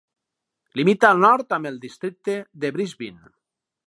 Limita al nord amb el districte de Brisbin.